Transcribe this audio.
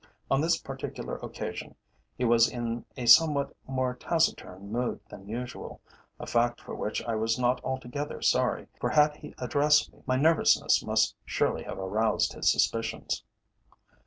On this particular occasion he was in a somewhat more taciturn mood than usual, a fact for which I was not altogether sorry, for had he addressed me, my nervousness must surely have aroused his suspicions.